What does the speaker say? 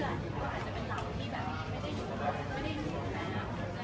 มันก็ไม่ได้จัดการภาษาไทยก็ไม่ได้จัดการ